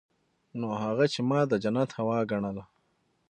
نو هغه چې ما د جنت هوا ګڼله.